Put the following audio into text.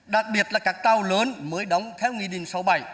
đặc biệt là các tàu lớn mới đóng theo nghị định sáu mươi bảy